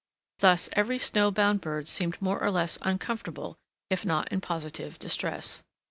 Thus every snow bound bird seemed more or less uncomfortable if not in positive distress.